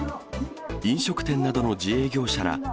飲食店などの自営業者ら